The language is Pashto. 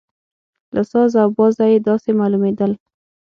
له ساز او بازه یې داسې معلومېدل.